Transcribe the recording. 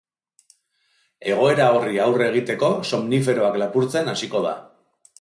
Egoera horri aurre egiteko, somniferoak lapurtzen hasiko da.